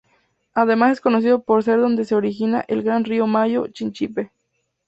Además es conocido por ser donde se origina el gran río Mayo-Chinchipe.